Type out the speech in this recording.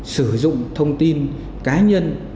sử dụng thông tin cá nhân